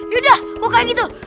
yaudah pokoknya gitu